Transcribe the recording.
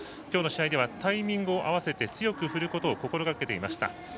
きょうの試合ではタイミングを合わせて強く振ることを心がけていました。